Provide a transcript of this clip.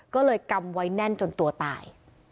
ก็เลยกำไว้แน่นจนตัวตาย